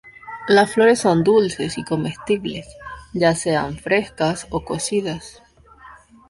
Las flores son dulces y comestibles, ya sean frescas o cocidas.